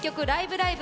ライブ！」